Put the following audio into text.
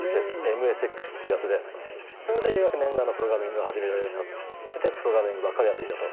それでようやく念願のプログラミングが始められるようになってプログラミングばっかりやっていたと。